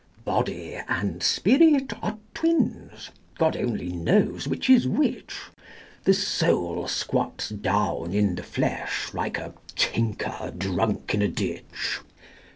Body and spirit are twins: God only knows which is which: The soul squats down in the flesh, like a tinker drunk in a ditch.